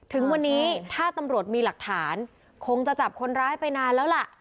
ถึงวันนี้ถ้าตำรวจมีหลักฐานคงจะจับคนร้ายไปนานแล้วล่ะ